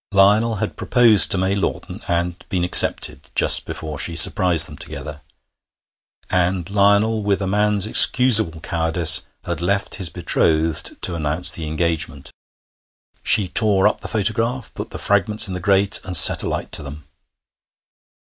Lionel had proposed to May Lawton, and been accepted, just before she surprised them together; and Lionel, with a man's excusable cowardice, had left his betrothed to announce the engagement. She tore up the photograph, put the fragments in the grate, and set a light to them.